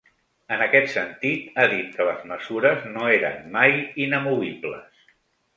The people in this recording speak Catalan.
En aquest sentit, ha dit que les mesures no eren “mai inamovibles”.